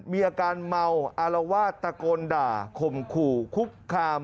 มีอาการเมาอารวาสตะโกนด่าข่มขู่คุกคาม